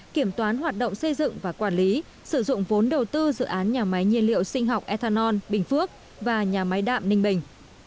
kiểm toán hoạt động xây dựng và quản lý sử dụng vốn đầu tư dự án nhà máy nhiên liệu sinh học ethanol bình phước và nhà máy đạm ninh bình